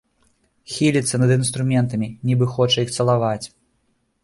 Хіліцца над інструментамі, нібы хоча іх цалаваць.